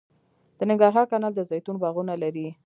د ننګرهار کانال د زیتون باغونه لري